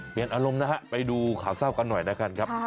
เปลี่ยนอารมณ์นะครับไปดูขาวเศร้ากันหน่อยนะครับ